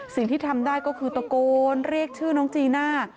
สิ่งที่ทำได้ก็คือตะโกนเรียกชื่อน้องจีน่า